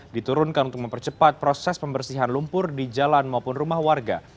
diturunkan untuk mempercepat proses pembersihan lumpur di jalan maupun rumah warga